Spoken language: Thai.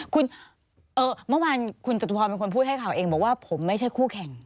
คุณเมื่อวานคุณจตุพรเป็นคนพูดให้ข่าวเองบอกว่าผมไม่ใช่คู่แข่ง